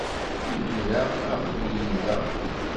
Imir-a, aql-iyi da.